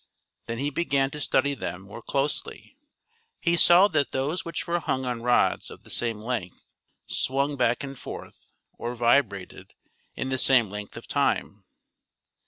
Then he began to studj them more closely. He saw that those which were hung on rods of the same length swung back and forth, or vibrated, in the same length of time.